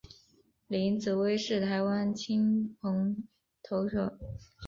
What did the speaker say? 林子崴是台湾青棒投手。